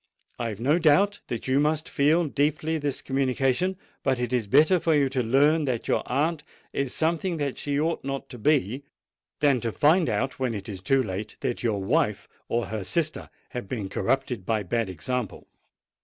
I've no doubt that you must feel deeply this communication: but it is better for you to learn that your aunt is something that she ought not to be, than to find out when it is too late that your wife or her sister have been corrupted by bad example."